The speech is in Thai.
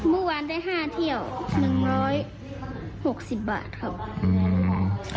เมื่อวานได้๕เที่ยว๑๖๐บาทครับ